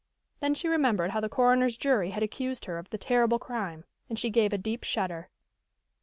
Then she remembered how the coroner's jury had accused her of the terrible crime, and she gave a deep shudder.